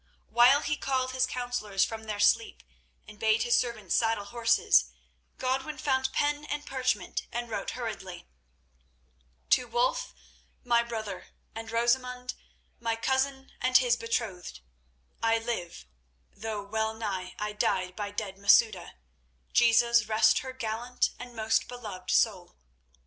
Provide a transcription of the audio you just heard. While he called his counsellors from their sleep and bade his servants saddle horses, Godwin found pen and parchment, and wrote hurriedly: "To Wulf, my brother, and Rosamund, my cousin and his betrothed,—I live, though well nigh I died by dead Masouda—Jesus rest her gallant and most beloved soul!